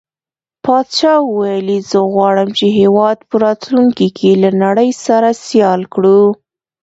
پاچا وويل: زه غواړم چې هيواد په راتلونکي کې له نړۍ سره سيال کړو.